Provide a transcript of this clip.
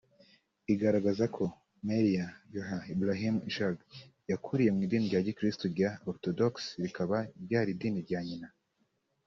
igaragaza ko Meriam Yehya Ibrahim Ishag yakuriye mu Idini ya gikristu ya Orthodox rikaba ryari idini rya nyina